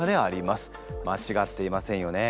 間違っていませんよね？